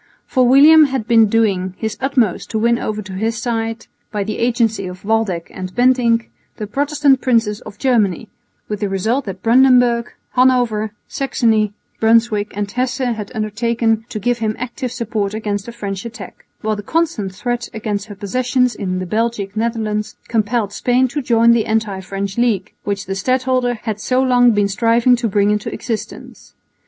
For William had been doing his utmost to win over to his side, by the agency of Waldeck and Bentinck, the Protestant Princes of Germany, with the result that Brandenburg, Hanover, Saxony, Brunswick and Hesse had undertaken to give him active support against a French attack; while the constant threat against her possessions in the Belgic Netherlands compelled Spain to join the anti French league which the stadholder had so long been striving to bring into existence.